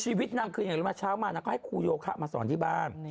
ชีวิตนางคืออย่างรู้มาเช้ามานางก็ให้ครูโยคะมาสอนที่บ้าน